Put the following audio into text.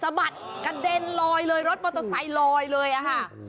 บัดกระเด็นลอยเลยรถมอเตอร์ไซค์ลอยเลยอะค่ะ